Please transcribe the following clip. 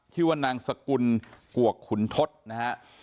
ชื่อว่านางสกุลกวกขุนทศนะฮะ